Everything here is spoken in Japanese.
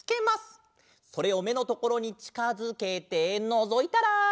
それをめのところにちかづけてのぞいたら。